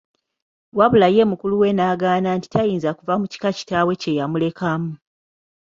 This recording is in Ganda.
Wabula ye mukulu we n’agaana nti tayinza kuva mu kika kitaawe kye yamulekamu.